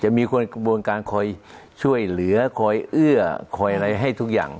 มีคนกระบวนการคอยช่วยเหลือคอยเอื้อคอยอะไรให้ทุกอย่าง